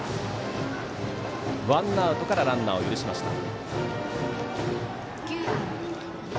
ワンアウトからランナーを許しました。